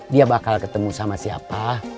dia bakal ketemu sama siapa